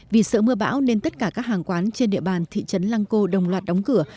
vì sợ mưa bão nên tất cả các hàng quán trên địa bàn thị trấn lăng cô đồng loạt đóng cửa